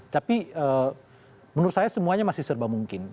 jadi menurut saya semuanya masih serba mungkin